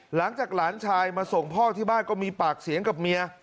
หลังจากหลานชายมาส่งพ่อที่บ้านก็มีปากเสียงกับเมีย